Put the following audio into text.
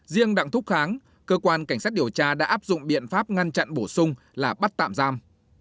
riêng đặng thúc kháng cơ quan cảnh sát điều tra đã áp dụng biện pháp ngăn chặn bổ sung là bắt tạm giam